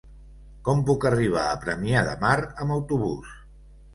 Com puc arribar a Premià de Mar amb autobús?